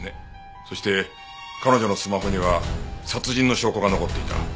そして彼女のスマホには殺人の証拠が残っていた。